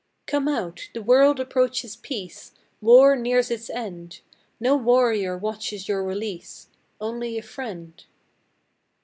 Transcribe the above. Come out! The world approaches peace, War nears its end; No warrior watches your release Only a friend.